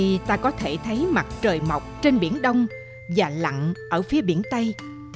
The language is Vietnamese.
nơi đây ta có thể thấy mặt trời mọc trên biển đông và lặn ở phía biển tây